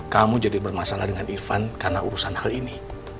kamu jadi bermasalah dengan irfan karena urusan hal ini